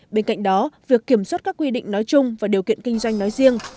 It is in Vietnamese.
bên cạnh đó việc kiểm soát các quy định nói chung và điều kiện kinh doanh nói riêng